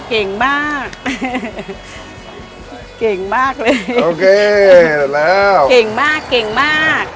เก่งมากเก่งมากเลยเก่งมากเก่งมาก